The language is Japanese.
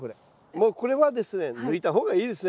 もうこれはですね抜いた方がいいですね